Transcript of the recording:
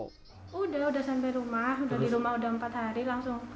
sudah sudah sampai rumah sudah di rumah sudah empat hari langsung